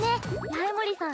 八重森さん